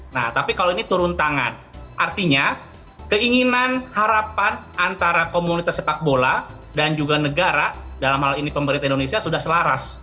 nah tapi kalau ini turun tangan artinya keinginan harapan antara komunitas sepak bola dan juga negara dalam hal ini pemerintah indonesia sudah selaras